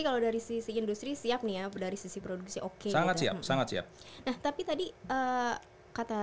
kalau dari sisi industri siap ya dari sisi produksi oke sangat siap sangat siap nah rekening makan